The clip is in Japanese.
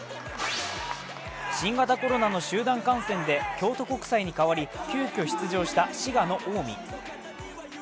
新型コロナの集団感染で京都国際に代わり急きょ出場した滋賀の近江。